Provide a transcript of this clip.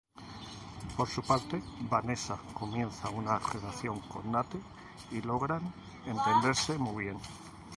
Por su parte, Vanessa comienza una relación con Nate y logran entenderse muy bien.